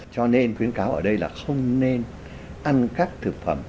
cho nên khuyến cáo ở đây là không nên ăn các thực phẩm